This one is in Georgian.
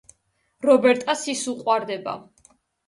რობერტას ის უყვარდება.